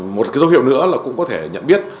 một cái dấu hiệu nữa là cũng có thể nhận biết